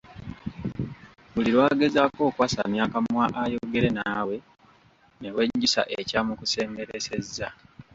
Buli lwagezaako okwasamya akamwa ayogere naawe newejjusa ekyamukusemberesezza.